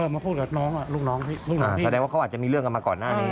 มาพูดกับน้องลูกน้องแสดงว่าเขาอาจจะมีเรื่องกันมาก่อนหน้านี้